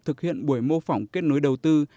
thực hiện buổi mô phỏng kết nối đầu tư